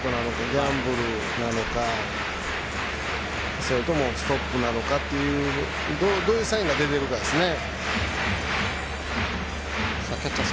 ギャンブルなのかそれとも、ストップなのかどうサインが出ているかですね。